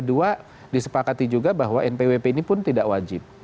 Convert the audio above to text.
kedua disepakati juga bahwa npwp ini pun tidak wajib